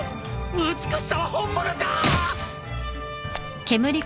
美しさは本物だ！